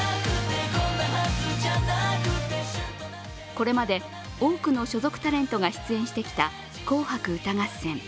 これまで多くの所属タレントが出演してきた「紅白歌合戦」。